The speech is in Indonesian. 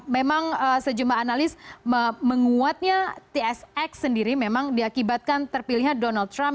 memang sejumlah analis menguatnya tsx sendiri memang diakibatkan terpilihnya donald trump